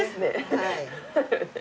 はい。